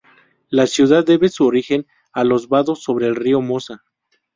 La ciudad debe su origen a los vados sobre el río Mosa.